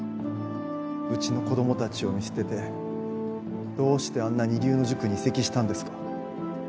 うちの子供たちを見捨ててどうしてあんな二流の塾に移籍したんですか？